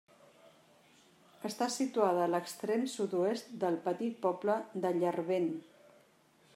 Està situada a l'extrem sud-oest del petit poble de Llarvén.